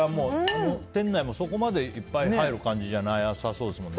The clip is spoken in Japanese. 店内もそこまでいっぱい入る感じじゃなさそうですもんね。